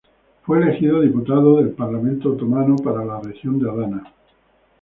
Fue elegido diputado del Parlamento otomano para la región de Adana.